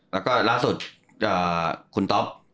แล้วก็ล่าสุดคุณต๊อป